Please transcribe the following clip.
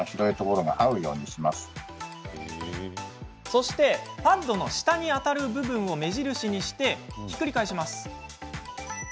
そして、パッドの下に当たる部分を目印にしてひっくり返します。